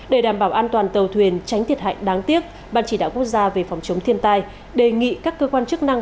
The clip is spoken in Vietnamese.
để đảm bảo an toàn tàu thuyền tránh thiệt hại đáng tiếc ban chỉ đạo quốc gia về phòng chống thiên tai đề nghị các cơ quan chức năng